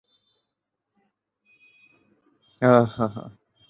একটি বিবৃতিতে তারা সরকারকে তাদের অস্ত্র সরিয়ে রেখে যুদ্ধ বিরতিতে রাজি হতে অনুরোধ করে।